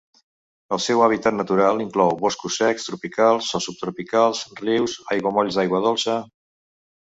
El seu hàbitat natural inclou boscos secs tropicals o subtropicals, rius, aiguamolls d'aigua dolça.